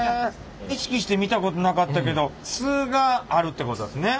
意識して見たことなかったけどすがあるってことですね。